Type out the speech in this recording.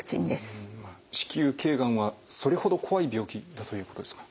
子宮頸がんはそれほど怖い病気だということですか？